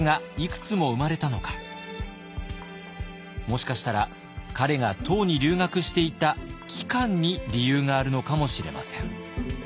もしかしたら彼が唐に留学していた期間に理由があるのかもしれません。